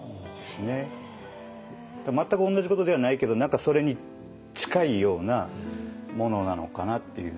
全く同じことではないけど何かそれに近いようなものなのかなっていう。